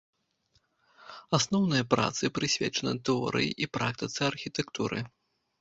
Асноўныя працы прысвечаны тэорыі і практыцы архітэктуры.